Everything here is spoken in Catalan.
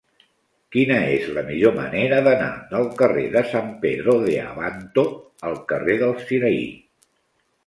Quina és la millor manera d'anar del carrer de San Pedro de Abanto al carrer del Sinaí?